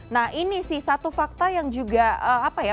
nah ini sih satu fakta yang juga apa ya